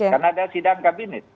karena ada sidang kabinet